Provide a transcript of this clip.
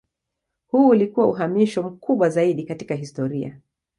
Huu ulikuwa uhamisho mkubwa zaidi katika historia.